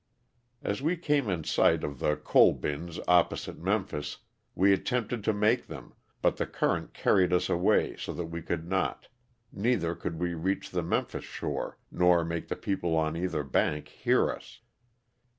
As we came in sight of the coal bins opposite Memphis we attempted to make them but the current carried us away so that we could not, neither could we reach the Memphis shore nor make the people on either bank hear us.